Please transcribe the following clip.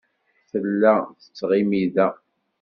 Tella tettɣimi da.